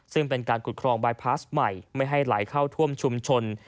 ซึ่งเป็นการขุดครองบายพาสใหม่ไม่ให้ไหลเข้าท่วมชุมชน